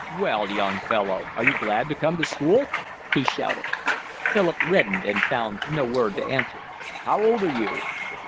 "Well, young fellow, are you glad to come to school?" he shouted. Philip reddened and found no word to answer. "How old are you?"